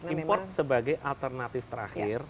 import sebagai alternatif terakhir